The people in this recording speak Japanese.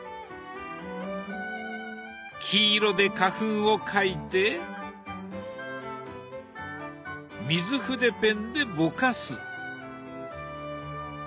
黄色で花粉を描いて水筆ペンでぼかす。